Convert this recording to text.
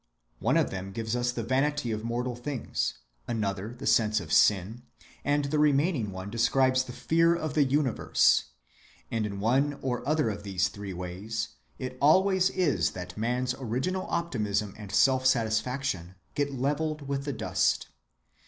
One of them gives us the vanity of mortal things; another the sense of sin; and the remaining one describes the fear of the universe;—and in one or other of these three ways it always is that man's original optimism and self‐satisfaction get leveled with the dust.